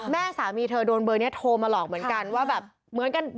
แม่สามีเธอโดนเบอร์เนี้ยโทรมาหรอกเหมือนกัน